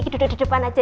duduk di depan aja